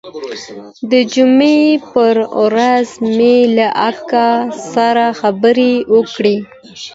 د جمعې پر ورځ مې له اکا سره خبرې وکړې.